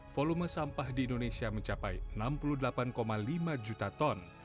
volume sampah di indonesia mencapai enam puluh delapan lima juta ton